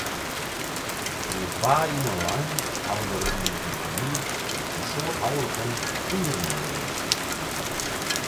Goed twa iuwen lang hawwe der yn dy famyljes in soad houliken ûnderinoar west.